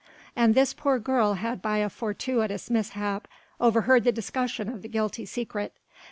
And this poor girl had by a fortuitous mishap overheard the discussion of the guilty secret.